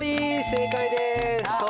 正解です！